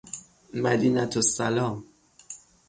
مدینه السلام